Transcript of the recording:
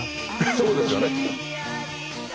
そうですよね。